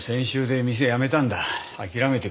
諦めてくれ。